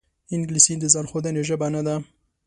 انګلیسي د ځان ښودنې ژبه نه ده